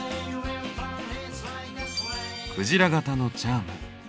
クジラ型のチャーム。